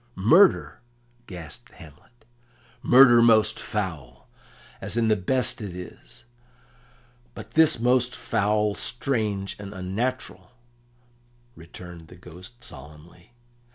"Murder!" gasped Hamlet. "Murder most foul, as in the best it is; but this most foul, strange, and unnatural," returned the Ghost solemnly.